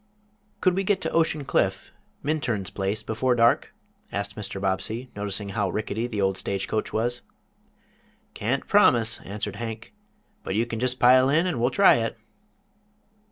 "Could we get to Ocean Cliff Minturn's place before dark?" asked Mr. Bobbsey, noticing how rickety the old stagecoach was. "Can't promise," answered Hank, "but you can just pile in and we'll try it."